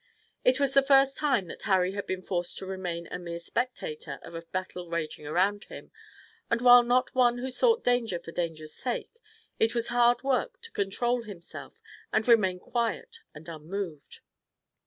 It was the first time that Harry had been forced to remain a mere spectator of a battle raging around him, and while not one who sought danger for danger's sake, it was hard work to control himself and remain quiet and unmoved.